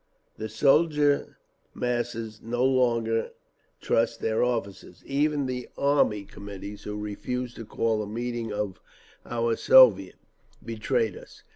"The soldier masses no longer trust their officers. Even the Army Committees, who refused to call a meeting of our Soviet, betrayed us….